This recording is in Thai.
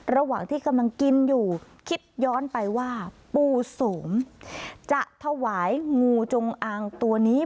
ระหว่างที่กำลังกินอยู่คิดย้อนไปว่าปูโสมจะถวายงูจงอางตัวนี้